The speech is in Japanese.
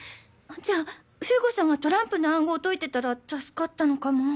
じゃあ風悟さんがトランプの暗号を解いてたら助かったのかも。